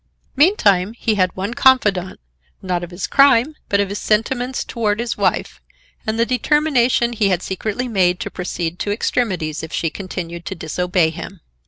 Meantime, he had one confidant, not of his crime, but of his sentiments toward his wife, and the determination he had secretly made to proceed to extremities if she continued to disobey him.